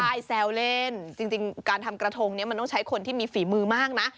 ใช่แซวเล่นจริงการทำกระทงเนี่ยมันต้องใช้คนที่มีฝีมือมากนะ